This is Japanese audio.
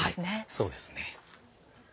そうですね。